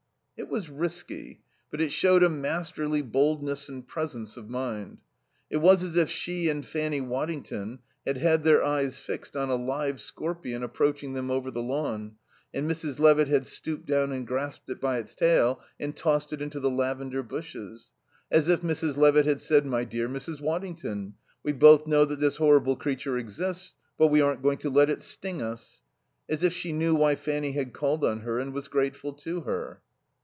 It was risky, but it showed a masterly boldness and presence of mind. It was as if she and Fanny Waddington had had their eyes fixed on a live scorpion approaching them over the lawn, and Mrs. Levitt had stooped down and grasped it by its tail and tossed it into the lavender bushes. As if Mrs. Levitt had said, "My dear Mrs. Waddington, we both know that this horrible creature exists, but we aren't going to let it sting us." As if she knew why Fanny had called on her and was grateful to her.